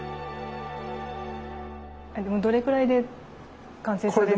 でもどれくらいで完成されるんですか？